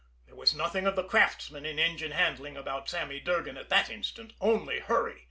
There was nothing of the craftsman in engine handling about Sammy Durgan at that instant only hurry.